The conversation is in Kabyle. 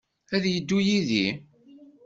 Ad yeddu yid-i?